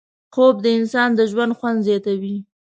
خوب د انسان د ژوند خوند زیاتوي